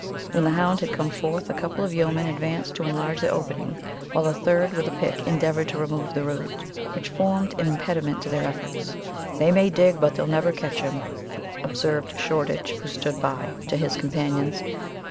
When the hound had come forth, a couple of yeomen advanced to enlarge the opening, while a third with a pick endeavoured to remove the root, which formed an impediment to their efforts. "They may dig, but they'll never catch him," observed Shoreditch, who stood by, to his companions.